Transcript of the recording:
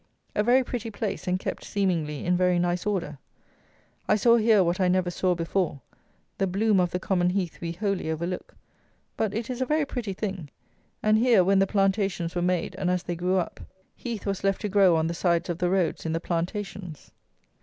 A very pretty place, and kept, seemingly, in very nice order. I saw here what I never saw before: the bloom of the common heath we wholly overlook; but it is a very pretty thing; and here, when the plantations were made, and as they grew up, heath was left to grow on the sides of the roads in the plantations.